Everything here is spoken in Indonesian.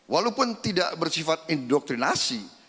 walaupun tidak bersifat indoktrinasi